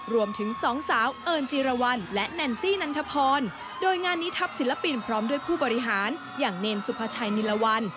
รวมถึงสองสาวเอิญจิรวรรณและแนนซี่นันทพรโดยงานนี้ทัพศิลปินพร้อมด้วยผู้บริหารอย่างเนรสุภาชัยนิรวรรณ